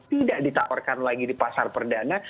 tidak ditawarkan lagi di pasar perdana